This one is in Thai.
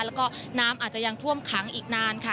แล้วก็น้ำอาจจะยังท่วมขังอีกนานค่ะ